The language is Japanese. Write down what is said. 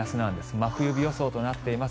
真冬日予想となっています。